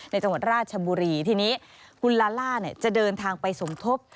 จังหวัดราชบุรีทีนี้คุณลาล่าจะเดินทางไปสมทบ